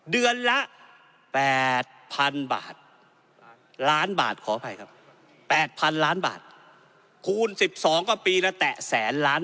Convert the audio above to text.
เดือนละ๘๐๐๐บาทล้านบาทขออภัยครับ๘๐๐๐ล้านบาท